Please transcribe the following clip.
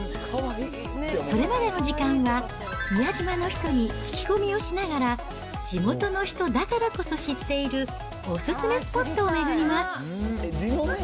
それまでの時間は、宮島の人に聞き込みをしながら、地元の人だからこそ知っているお勧めスポットを巡ります。